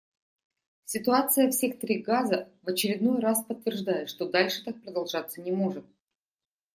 Ситуация в секторе Газа в очередной раз подтверждает, что дальше так продолжаться не может.